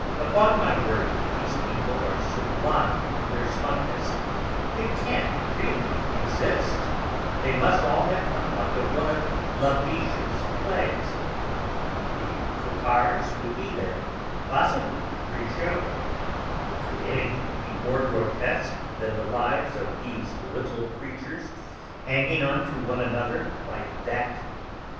Upon my word, these people are sublime in their smugness; they can't really exist; they must all have come out of one of Labiche's plays!" The Cottards would be there; possibly Brichot. "Could anything be more grotesque than the lives of these little creatures, hanging on to one another like that.